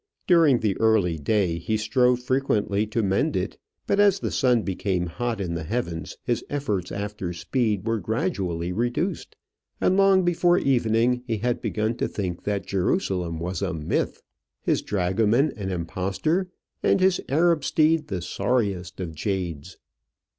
During the early day he strove frequently to mend it; but as the sun became hot in the heavens, his efforts after speed were gradually reduced, and long before evening he had begun to think that Jerusalem was a myth, his dragoman an impostor, and his Arab steed the sorriest of jades.